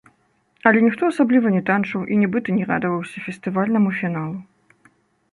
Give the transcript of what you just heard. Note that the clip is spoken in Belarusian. Але ніхто асабліва не танчыў і нібыта не радаваўся фестывальнаму фіналу.